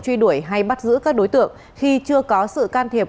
truy đuổi hay bắt giữ các đối tượng khi chưa có sự can thiệp